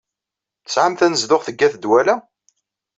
Tesɛam tanezduɣt deg at Dwala?